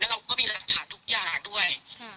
แล้วเราก็มีลักษณะทุกอย่างด้วย